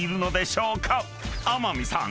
［天海さん